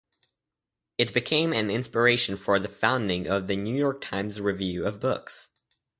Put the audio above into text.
It became an inspiration for the founding of "The New York Review of Books".